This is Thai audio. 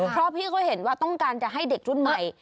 เพราะพี่เขาเห็นว่าต้องการจะให้เด็กรุ่นใหม่